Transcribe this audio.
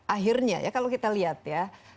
akhirnya ya kalau kita lihat ya